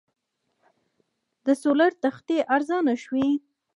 د سولر تختې ارزانه شوي؟